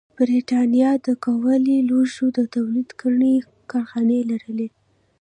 برېټانیا د کولالي لوښو د تولید ګڼې کارخانې لرلې